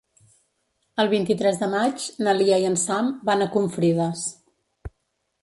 El vint-i-tres de maig na Lia i en Sam van a Confrides.